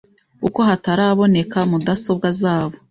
uko hataraboneka mudasobwa zabo